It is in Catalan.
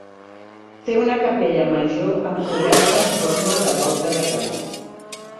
Té una capella major amb coberta en forma de volta de canó.